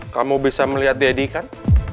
kamu bisa melihat deddy kan